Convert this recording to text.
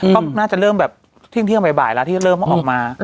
ก็น่าจะเริ่มแบบเที่ยงบ่ายแล้วที่เริ่มออกมา